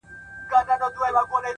صادق چلند اوږدمهاله باور زېږوي!.